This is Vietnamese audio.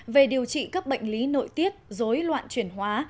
về điều trị các bệnh lý nội tiết dối loạn chuyển hóa